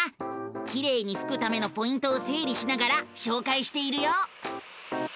きれいにふくためのポイントをせいりしながらしょうかいしているよ！